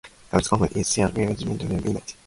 Keane competes in the lightweight double sculls event.